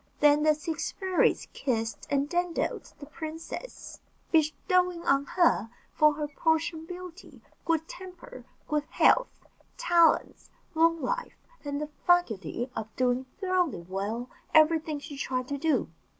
Then the six fairies kissed and dandled the princess, bestowing on her for her portion beauty, good temper, good health, talents, long life, and the faculty of doing thoroughly well everything she tried to do.